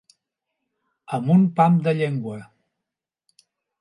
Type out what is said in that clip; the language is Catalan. Amb un pam de llengua.